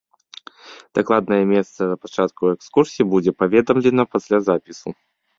Дакладнае месца пачатку экскурсій будзе паведамлена пасля запісу.